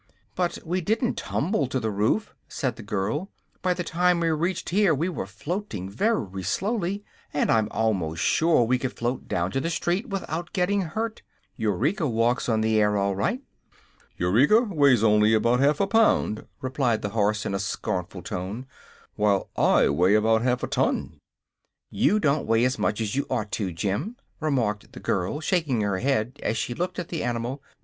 "But we didn't tumble to the roof," said the girl; "by the time we reached here we were floating very slowly, and I'm almost sure we could float down to the street without getting hurt. Eureka walks on the air all right." "Eureka weighs only about half a pound," replied the horse, in a scornful tone, "while I weigh about half a ton." "You don't weigh as much as you ought to, Jim," remarked the girl, shaking her head as she looked at the animal.